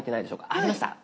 ありました？